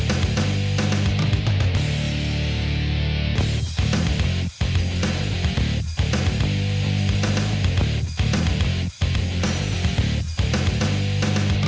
อ้าวแม่เขายอดมาแล้ว